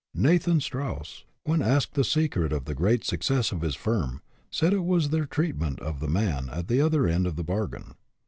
Nathan Straus, when asked the secret of the great success of his firm, said it was their treatment of the man at the other end of the bargain.